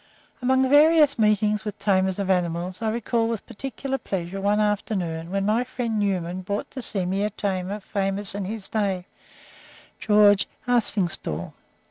Among various meetings with tamers of animals, I recall with particular pleasure one afternoon when my friend Newman brought to see me a tamer famous in his day George Arstingstall.